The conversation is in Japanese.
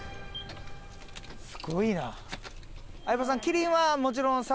すごいな。